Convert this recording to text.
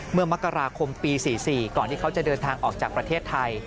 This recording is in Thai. เมื่อมกราคมปี๔๔ก่อนที่เขาจะเดินทางออกจากประเทศไทย